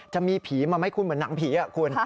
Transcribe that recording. จะมีผีมาไหมคุณเหมือนหนังผีคุณ